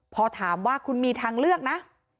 พอถามว่าคุณมีทางเลือกนะ